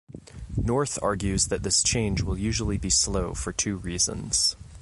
North argues that this change will usually be slow for two reasons.